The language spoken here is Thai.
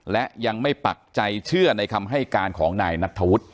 และยังไม่ปักใจเชื่อในคำให้การของนายนัทธวุฒิ